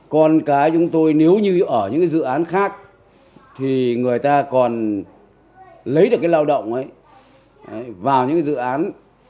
con cái chúng tôi nếu như ở những dự án khác thì người ta còn lấy được cái lao động ấy vào những dự án